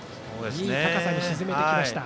いい高さに沈めてきました。